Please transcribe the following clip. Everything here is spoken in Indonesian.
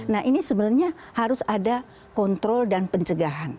nah ini sebenarnya harus ada kontrol dan pencegahan